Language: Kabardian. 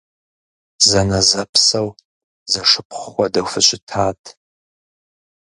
Зэнэзэпсэу, зэшыпхъу хуэдэу фыщытат!